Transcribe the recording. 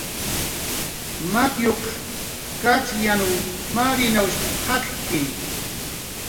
Matiyuq Kachyanw Marinawshq jakki